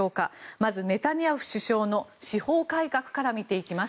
まず、ネタニヤフ首相の司法改革から見ていきます。